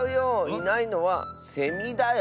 いないのはセミだよ。